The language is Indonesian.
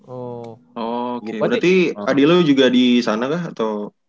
oh oke berarti adi lu juga di sana kah atau